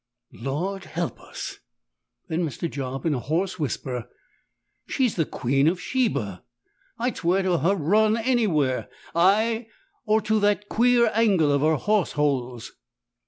"Lord help us!" then said Mr. Job, in a hoarse whisper. "She's the Queen of Sheba. I'd swear to her run anywhere ay, or to that queer angle of her hawse holes."